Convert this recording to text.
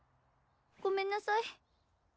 ごめんなさい。